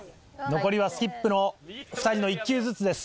残りはスキップの２人の１球ずつです。